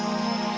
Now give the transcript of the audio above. masa kota kan